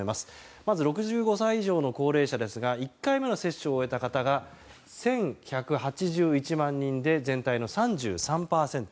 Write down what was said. まず、６５歳以上の高齢者ですが１回目の接種を終えた方が１１８１万人で全体の３３％。